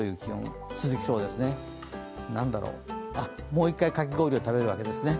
もう１回、かき氷を食べるわけですね。